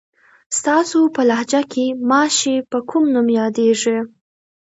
ستاسو په لهجه کې ماشې په کوم نوم یادېږي؟